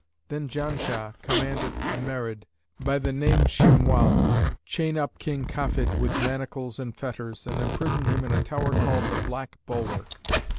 Then Janshah commanded a Marid, by name Shimwαl, chain up King Kafid with manacles and fetters, and imprison him in a tower called the Black Bulwark.